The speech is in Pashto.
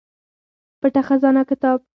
پټه خزانه کتاب